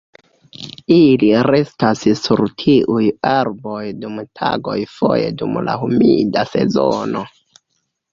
Ili restas sur tiuj arboj dum tagoj foje dum la humida sezono.